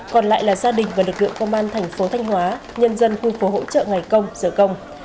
còn lại là gia đình và lực lượng công an thành phố thanh hóa nhân dân khu phố hỗ trợ ngày công sở công